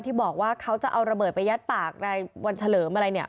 ที่บอกว่าเขาจะเอาระเบิดไปยัดปากในวันเฉลิมอะไรเนี่ย